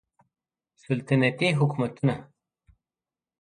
سلطنتي حکومتونه